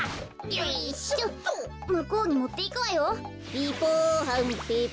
ピポはんペポ。